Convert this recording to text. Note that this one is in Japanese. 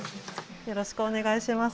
よろしくお願いします